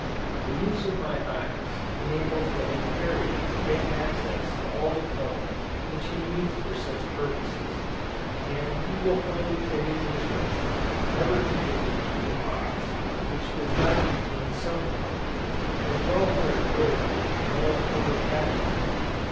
The use of my hives enables the Apiarian to get access to all the comb which he needs for such purposes, and he will find it to his interest, never to give the bees a box which does not contain some comb, as well for encouragement as for a pattern.